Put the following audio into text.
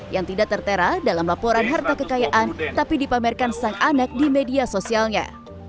yang tidak tertera dalam laporan harta kekayaan tapi dipamerkan sang anak di media sosialnya